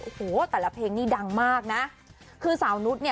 โอ้โหแต่ละเพลงนี้ดังมากนะคือสาวนุษย์เนี่ย